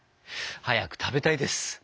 早く食べたいです。